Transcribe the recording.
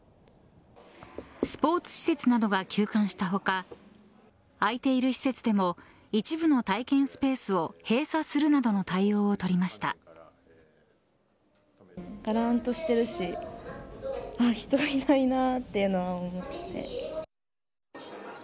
スポーツ施設などが休館した他開いている施設でも一部の体験スペースを閉鎖するなどの対応を取りました。